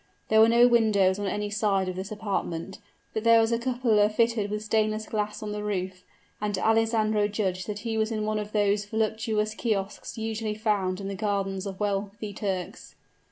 There were no windows on any side of this apartment; but there was a cupola fitted with stained glass on the roof, and Alessandro judged that he was in one of those voluptuous kiosks usually found in the gardens of wealthy Turks.